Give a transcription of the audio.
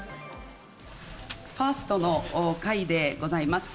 ファーストの会でございます。